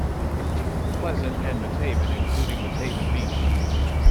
Pleasant, and Matavan including Matavan beach.